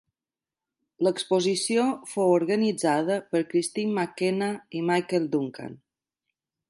L'exposició fou organitzada per Kristine McKenna i Michael Duncan.